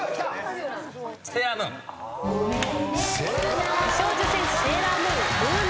『セーラームーン』正解。